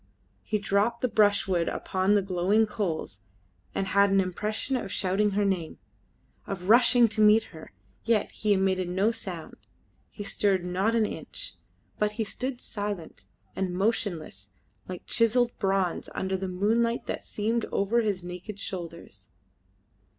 He dropped the brushwood upon the glowing coals, and had an impression of shouting her name of rushing to meet her; yet he emitted no sound, he stirred not an inch, but he stood silent and motionless like chiselled bronze under the moonlight that streamed over his naked shoulders.